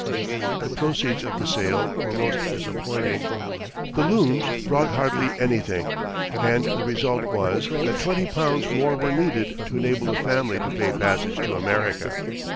The proceeds of the sale were most disappointing. The looms brought hardly anything, and the result was that twenty pounds more were needed to enable the family to pay passage to America.